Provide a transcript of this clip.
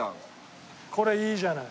これいいじゃない。